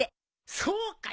そうかい！